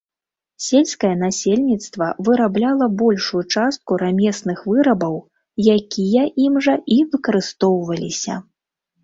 Сельскае насельніцтва вырабляла большую частку рамесных вырабаў, якія ім жа і выкарыстоўваліся.